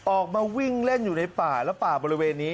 ออกมาวิ่งเล่นอยู่ในป่าและป่าบริเวณนี้